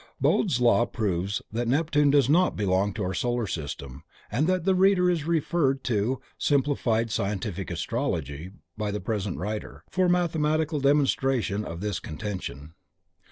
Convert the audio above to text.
Bode's law proves that Neptune does not belong to our solar system and the reader is referred to "Simplified Scientific Astrology" by the present writer, for mathematical demonstration of this contention.